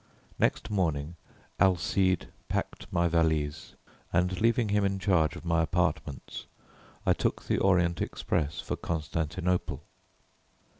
Next morning Alcide packed my valise, and leaving him in charge of my apartments I took the Orient express for Constantinople.